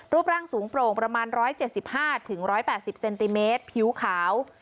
รูปร่างสูงโปร่งประมาณร้อยเจ็ดสิบห้าถึงร้อยแปดสิบเซนติเมตรผิวขาว